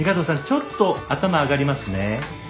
ちょっと頭上がりますね。